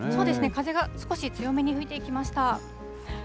風が少し強めに吹いてきました。